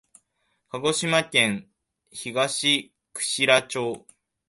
鹿児島県東串良町